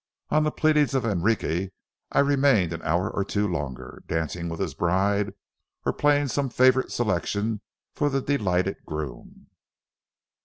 On the pleadings of Enrique, I remained an hour or two longer, dancing with his bride, or playing some favorite selection for the delighted groom.